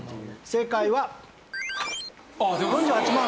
正解は。